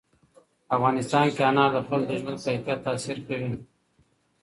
په افغانستان کې انار د خلکو د ژوند کیفیت تاثیر کوي.